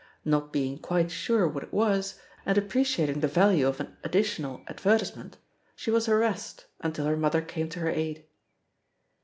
Not being quite sure what it was, and appreciating the value of an additional advertisement, she was harassed, un* til her mother came to her aid.